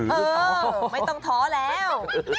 เออไม่ต้องท้อแล้ว